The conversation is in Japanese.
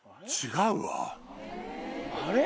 あれ？